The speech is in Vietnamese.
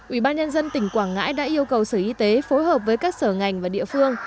ubnd tỉnh quảng ngãi đã yêu cầu sở y tế phối hợp với các sở ngành và địa phương